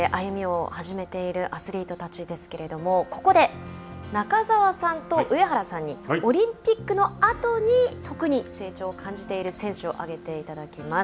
東京大会が終わって次なるステージへ歩みを始めているアスリートたちですけれどもここで、中澤さんと上原さんにオリンピックの後に特に成長を感じている選手を挙げていただきます。